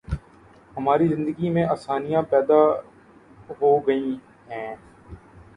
ہماری زندگی میں آسانیاں پیدا ہو گئی ہیں۔